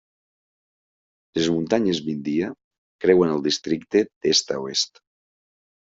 Les muntanyes Vindhya creuen el districte d'est a oest.